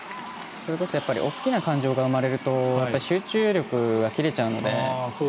それこそ大きな感情が生まれると集中力が切れちゃうので。